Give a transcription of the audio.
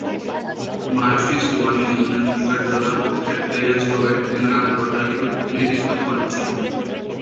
Murphy Su'a New Zealand cricket দলের পক্ষে test ও একদিনের আন্তর্জাতিকে প্রতিনিধিত্ব করেছেন।